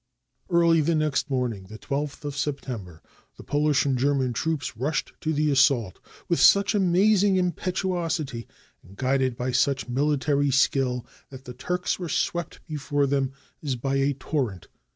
Early the next morning, the 12th of September, the Polish and German troops rushed to the assault, with such amazing impetuosity, and guided by such military skill, that the Turks were swept before them as by a torrent.